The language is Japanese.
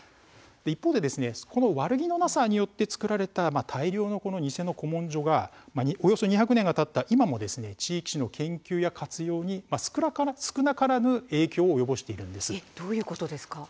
一方で、その悪気のなさによって作られた大量の偽の古文書がおよそ２００年がたった今も地域史の研究や活用にも少なからぬどういうことですか。